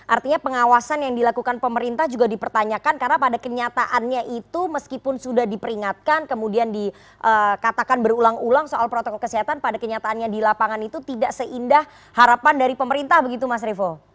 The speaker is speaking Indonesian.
artinya pengawasan yang dilakukan pemerintah juga dipertanyakan karena pada kenyataannya itu meskipun sudah diperingatkan kemudian dikatakan berulang ulang soal protokol kesehatan pada kenyataannya di lapangan itu tidak seindah harapan dari pemerintah begitu mas revo